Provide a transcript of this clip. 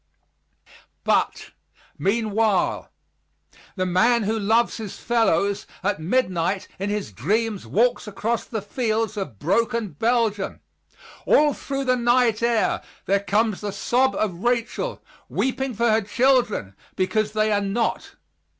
But, meanwhile, the man who loves his fellows, at midnight in his dreams walks across the fields of broken Belgium. All through the night air there comes the sob of Rachel, weeping for her children, because they are not.